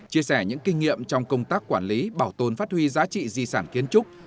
chia sẻ những kinh nghiệm trong công tác quản lý bảo tồn phát huy giá trị di sản kiến trúc